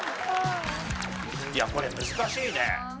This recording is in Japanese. いやこれ難しいね。